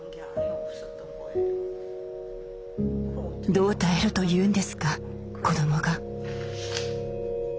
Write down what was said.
どう耐えろというんですか子どもが。